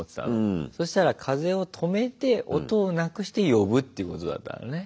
そしたら風を止めて音をなくして呼ぶってことだったのね。